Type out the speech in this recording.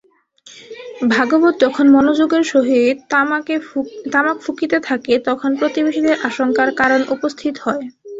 ভাগবত যখন মনোযোগের সহিত তামাক ফুঁকিতে থাকে, তখন প্রতিবেশীদের আশঙ্কার কারণ উপস্থিত হয়।